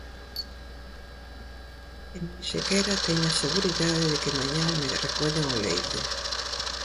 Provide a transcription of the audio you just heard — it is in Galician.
E nin sequera teño a seguridade de que mañá me recollan o leite.